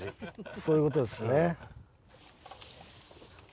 そういう事ですね。